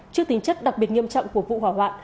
trước tính chất đặc biệt nghiêm trọng của vụ hỏa hoạn